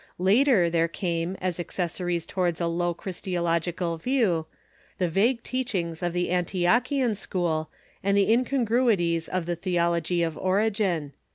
Later, there came, as accessories towards a low Christological view, the vague teachings of the Antiochian school and the incongruities of the theology of Origen.